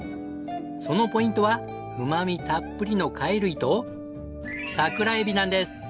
そのポイントはうま味たっぷりの貝類と桜エビなんです！